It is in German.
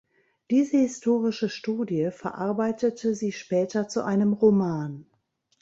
Diese historische Studie verarbeitete sie später zu einem Roman.